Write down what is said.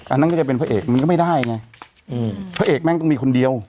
อันนั้นก็จะเป็นพระเอกมันก็ไม่ได้ไงพระเอกแม่งต้องมีคนเดียว